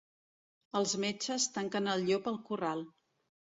Els metges tanquen el llop al corral.